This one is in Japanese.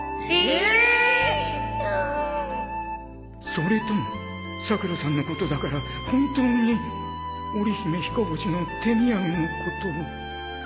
それともさくらさんのことだから本当に織り姫ひこ星の手土産のことを